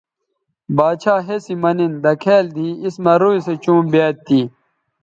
باڇھا ہسی مہ نِن دکھیال دی اِس مہ روئ سو چوں بیاد تھی